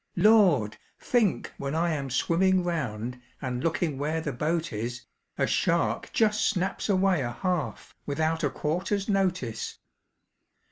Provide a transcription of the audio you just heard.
"Lord! think when I am swimming round, And looking where the boat is, A shark just snaps away a half, Without a 'quarter's notice.'